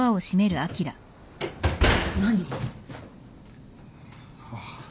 何？